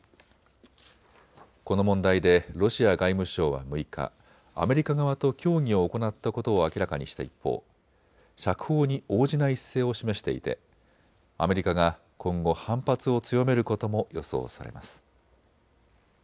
この問題でロシア外務省は６日、アメリカ側と協議を行ったことを明らかにした一方、釈放に応じない姿勢を示していてアメリカが今後、反発を強めることも予想されます。